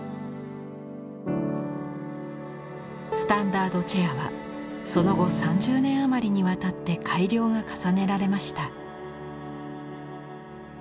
スタンダードチェアはその後３０年余りにわたって改良が重ねられました。